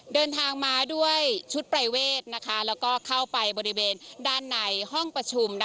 เดินทางมาด้วยชุดปรายเวทแล้วก็เข้าไปบริเวณด้านในห้องประชุม